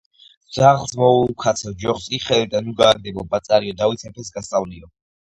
ვძაღლს მიულაქუცე, ჯოხს კი ხელიდან ნუ გააგდებო ბაწარიო დავით მეფეს გასწავლიო